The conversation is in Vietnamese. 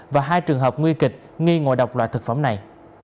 và hai trường hợp nguy kịch nghi ngộ độc loại thực phẩm này